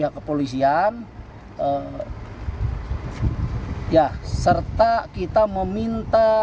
serta meminta salinan berita acara pemerintah